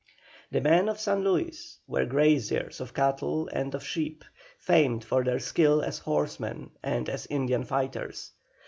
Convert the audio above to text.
The men of San Luis were graziers of cattle and of sheep, famed for their skill as horsemen and as Indian fighters.